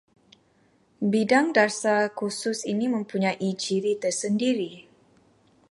Bidang dasar khusus ini mempunyai ciri tersendiri